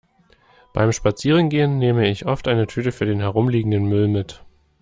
Beim Spazierengehen nehme ich oft eine Tüte für den herumliegenden Müll mit.